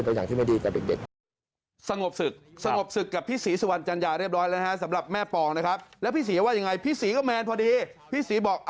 ก็ยากขอโทษขอใภท่าสำหรับคนสมัยเด็ก